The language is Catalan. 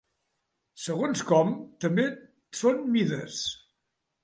Segons com, també són mides.